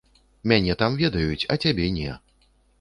Мяне там ведаюць, а цябе не.